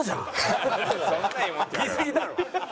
言いすぎだろ。